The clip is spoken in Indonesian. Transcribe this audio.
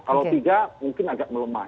kalau tiga mungkin agak melemah